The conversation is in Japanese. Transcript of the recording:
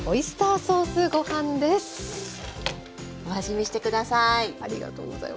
お味見して下さい！